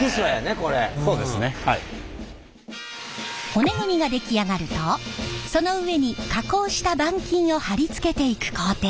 骨組みが出来上がるとその上に加工した板金を貼り付けていく工程。